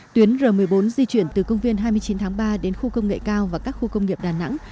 tuyến r một mươi bốn di chuyển từ công viên hai mươi chín tháng ba đến khu công nghệ cao và các khu công nghiệp đà nẵng